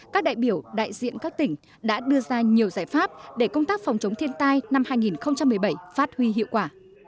các đại biểu đại diện các tỉnh đã đưa ra nhiều giải pháp để công tác phòng chống thiên tai năm hai nghìn một mươi bảy phát huy hiệu quả